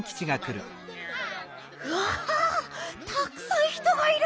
わたくさん人がいる！